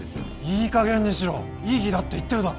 いいかげんにしろ異議だって言ってるだろ